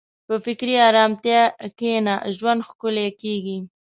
په فکري ارامتیا کښېنه، ژوند ښکلی کېږي.